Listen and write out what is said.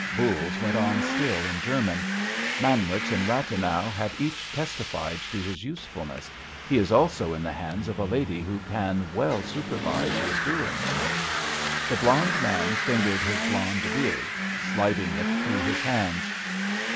Voules went on still in German: "Manwitz and Rathenau have each testified to his usefulness; he is also in the hands of a lady who can well supervise his doings." The blond man fingered his blond beard, sliding it through his hands.